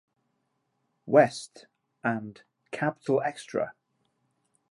West" and "Capital Xtra!